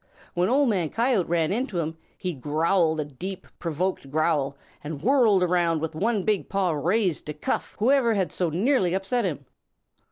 When Old Man Coyote ran into him, he growled a deep, provoked growl and whirled around with one big paw raised to cuff whoever had so nearly upset him.